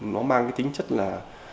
nó mang cái tính chất là